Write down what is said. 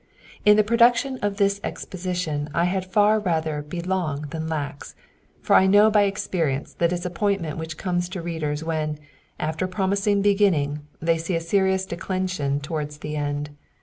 In the production of this exposition I had far rather be long than lax ; for I know by experience the disappointment which comes to readers when, after a promising' beginning, they see a serious declension to wards the end.